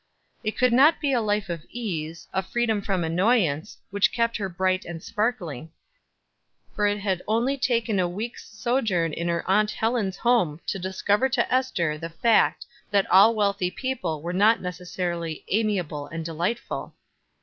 It could not be a life of ease, a freedom from annoyance, which kept her bright and sparkling, for it had only taken a week's sojourn in her Aunt Helen's home to discover to Ester the fact that all wealthy people were not necessarily amiable and delightful.